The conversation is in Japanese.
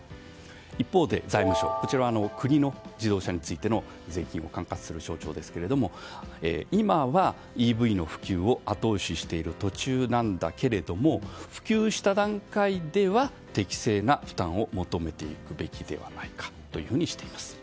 一方で財務省これは国の自動車についての税金を管轄する省庁ですが今はＥＶの普及を後押ししている途中だけれども普及した段階では適正な負担を求めていくべきではないかというふうにしています。